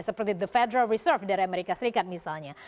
seperti the federal reserve dari amerika serikat misalnya